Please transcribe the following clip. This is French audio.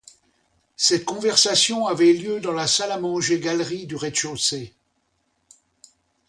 Cette conversation avait lieu dans la salle à manger-galerie du rez-de-chaussée.